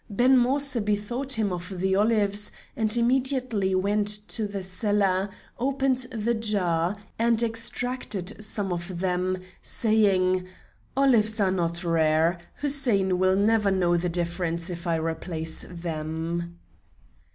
Ben Moïse bethought him of the olives and immediately went to the cellar, opened the jar, and extracted some of them, saying: "Olives are not rare; Hussein will never know the difference if I replace them."